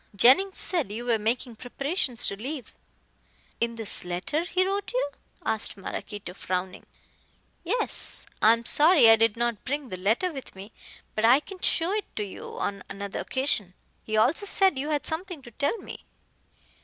"Jennings said you were making preparations to leave." "In this letter he wrote you?" asked Maraquito, frowning. "Yes. I am sorry I did not bring the letter with me. But I can show it to you on another occasion. He also said you had something to tell me."